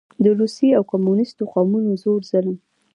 د روسي او کميونسټو قوتونو زور ظلم